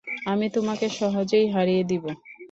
আমি তোমাকে সহজেই হারিয়ে দিবো।